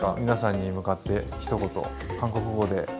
皆さんに向かってひと言韓国語で。